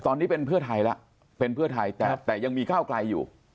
ตอนนี้เป็นเพื่อไทยแล้วเป็นเพื่อไทยแต่ยังมีก้าวไกลอยู่